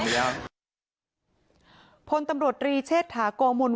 ไม่อยากให้ต้องมีการศูนย์เสียกับผมอีก